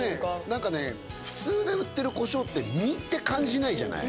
何かね普通で売ってるコショウって実って感じないじゃない？